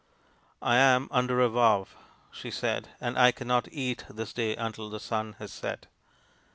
^ I am under a vow," she said, " and I cannot eat this day until the sun has set."